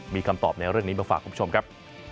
มีคำตอบในเรื่องนี้มาฝากคุณผู้ชมครับ